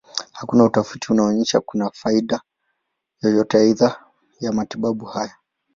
Hakuna utafiti unaonyesha kuna faida yoyote aidha ya matibabu haya.